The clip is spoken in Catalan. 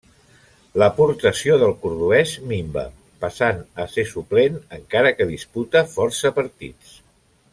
L'aportació del cordovès minva, passant a ser suplent, encara que disputa força partits.